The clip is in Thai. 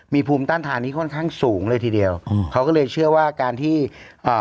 มีภูมิต้านทานที่ค่อนข้างสูงเลยทีเดียวอืมเขาก็เลยเชื่อว่าการที่อ่า